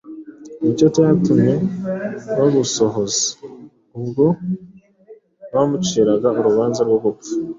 nicyo cyatumye babusohoza, ubwo bamuciraga urubanza rwo gupfa.”